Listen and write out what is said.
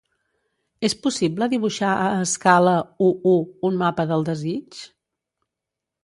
És possible dibuixar a escala u:u un mapa del desig?